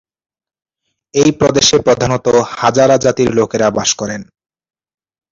এই প্রদেশে প্রধানত হাজারা জাতির লোকেরা বাস করেন।